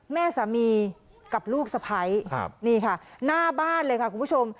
แม่สามีกับลูกสะพ้ายนี่ค่ะหน้าบ้านเลยค่ะคุณผู้ชม